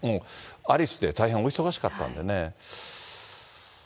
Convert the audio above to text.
アリスで大変お忙しかったんでね。